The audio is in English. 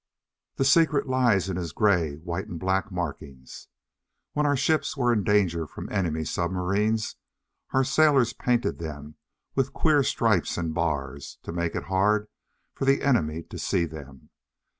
The secret lies in his grey, white and black markings. When our ships were in danger from enemy submarines, our sailors painted them with queer stripes and bars, to make it hard for the enemy to see them.